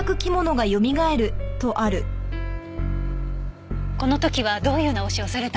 この時はどういう直しをされたんですか？